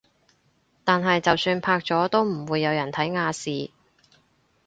但係就算拍咗都唔會有人睇亞視